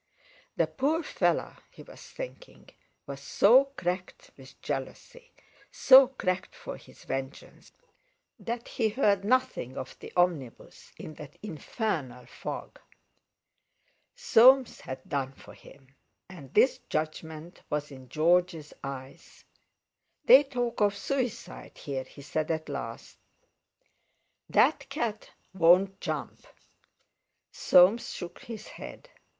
"The poor fellow," he was thinking, "was so cracked with jealousy, so cracked for his vengeance, that he heard nothing of the omnibus in that infernal fog." Soames had done for him! And this judgment was in George's eyes. "They talk of suicide here," he said at last. "That cat won't jump." Soames shook his head.